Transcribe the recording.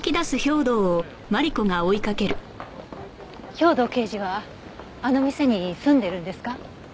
兵藤刑事はあの店に住んでるんですか？